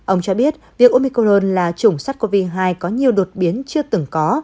ông cho biết việc omicorn là chủng sars cov hai có nhiều đột biến chưa từng có